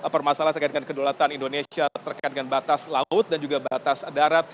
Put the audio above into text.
permasalahan terkait dengan kedulatan indonesia terkait dengan batas laut dan juga batas darat